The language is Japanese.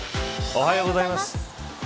おはようございます。